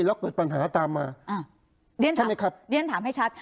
แล้วเกิดปัญหาตามมาอ่าเรียนใช่ไหมครับเรียนถามให้ชัด